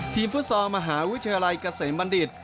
ฟุตซอลมหาวิทยาลัยเกษมบัณฑิต